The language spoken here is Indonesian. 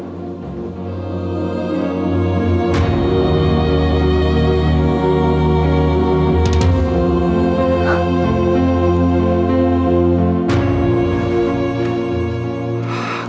mas aku mau biarkan